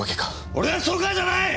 俺はストーカーじゃない！